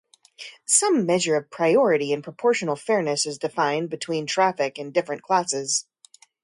Some measure of priority and proportional fairness is defined between traffic in different classes.